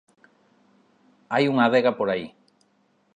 Hai unha adega por aí.